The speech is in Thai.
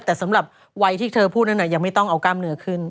แต่สำหรับวัยที่เธอพูดนั้นยังไม่ต้องเอากล้ามเนื้อขึ้น